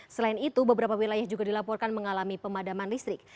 selain itu beberapa wilayah juga dilaporkan mengalami pemadaman listrik